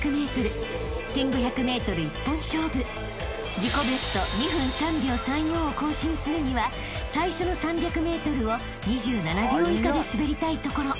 ［自己ベスト２分３秒３４を更新するには最初の３００ｍを２７秒以下で滑りたいところ］